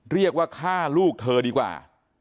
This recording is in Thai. เรียกว่าฆ่าลูกเธอดีกว่า